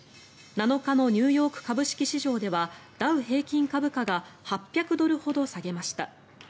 ７日のニューヨーク株式市場ではダウ平均株価が８００ドルほど下げました。